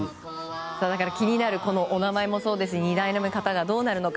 気になるお名前もそうですし２代目の方がどうなるのか。